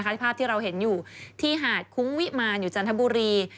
ภาพที่เราเห็นอยู่ที่หาดคุ้งวิมารอยู่จันทบุรี